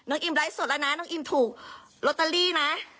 น้องอิ่มไร้สดแล้วนะน้องอิ่มถูกลอตเตอรี่นะ